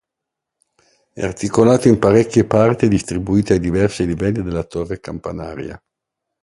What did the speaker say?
È articolato in parecchie parti distribuite ai diversi livelli della torre campanaria.